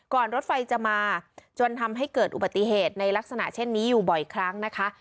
รถไฟจะมาจนทำให้เกิดอุบัติเหตุในลักษณะเช่นนี้อยู่บ่อยครั้งนะคะ